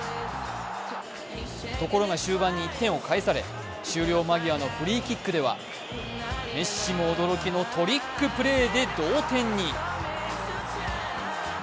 ところが終盤に１点を返され終了間際のフリーキックではメッシも驚きのトリックプレーで同点に。